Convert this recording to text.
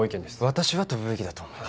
私は飛ぶべきだと思います。